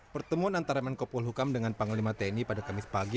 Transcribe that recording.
pertemuan antara menko polhukam dengan panglima tni pada kamis pagi